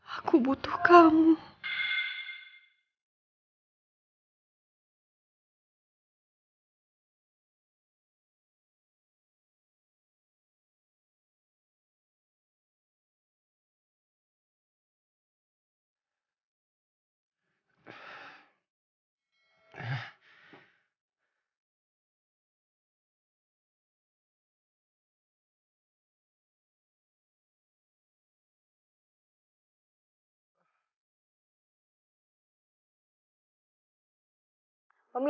aku butuh kamu